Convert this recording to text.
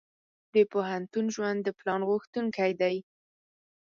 د پوهنتون ژوند د پلان غوښتونکی دی.